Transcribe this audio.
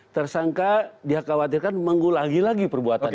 tersangka dikhawatirkan mengulangi lagi perbuatannya